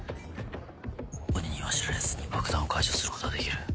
鬼には知られずに爆弾を解除することができる。